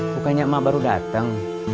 bukannya mak baru datang